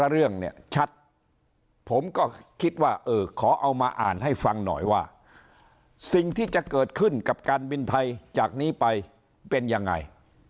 เรื่องเนี่ยชัดผมก็คิดว่าเออขอเอามาอ่านให้ฟังหน่อยว่าสิ่งที่จะเกิดขึ้นกับการบินไทยจากนี้ไปเป็นยังไง